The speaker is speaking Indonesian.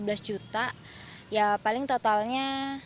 jadi sekitarnya ya paling totalnya